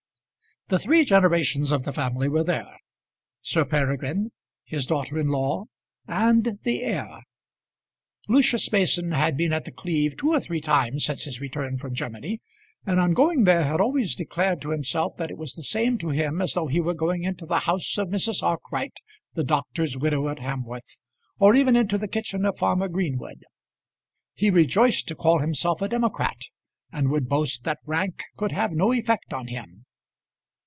The three generations of the family were there, Sir Peregrine, his daughter in law, and the heir. Lucius Mason had been at The Cleeve two or three times since his return from Germany, and on going there had always declared to himself that it was the same to him as though he were going into the house of Mrs. Arkwright, the doctor's widow at Hamworth, or even into the kitchen of Farmer Greenwood. He rejoiced to call himself a democrat, and would boast that rank could have no effect on him.